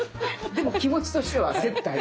でも気持ちとしては接待。